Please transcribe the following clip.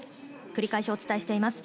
繰り返しお伝えしています。